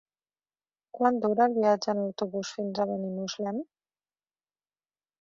Quant dura el viatge en autobús fins a Benimuslem?